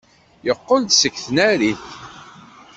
Yeqqel-d seg tnarit.